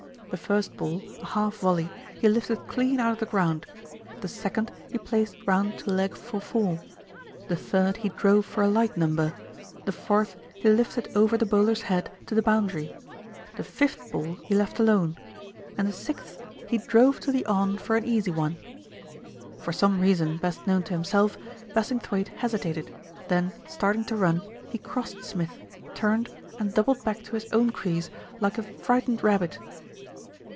The first ball, a half volley, he lifted clean out of the ground, the second he placed round to leg for four, the third he drove for a like number, the fourth he lifted over the bowler's head to the boundary, the fifth ball he left alone, and the sixth he drove to the on for an easy one. For some reason best known to himself, Bassingthwaighte hesitated, then starting to run, he crossed Smith, turned, and doubled back to his own crease like a frightened rabbit.